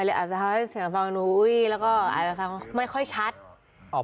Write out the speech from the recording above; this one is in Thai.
เราไปปลากี่ครั้งน้ำปลาร้า